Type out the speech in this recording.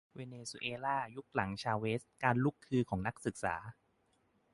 เวเนซุเอล่ายุคหลังชาเวซ การลุกฮือของนักศึกษา